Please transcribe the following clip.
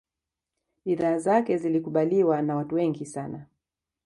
bidhaa zake zilikubaliwa na watu wengi sana